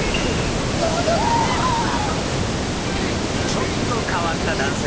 ちょっと変わった男性。